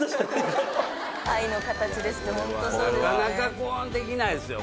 なかなかこうできないですよ